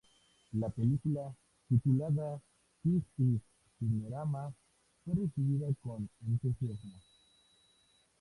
La película, titulada This is Cinerama, fue recibida con entusiasmo.